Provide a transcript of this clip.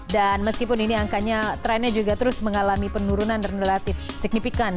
dan meskipun ini angkanya trennya juga terus mengalami penurunan relatif signifikan